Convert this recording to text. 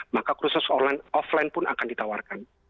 maka kursus offline pun akan ditawarkan